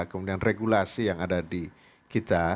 kemudian regulasi yang ada di kita